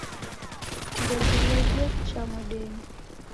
Ndew'ileghie kucha modenyi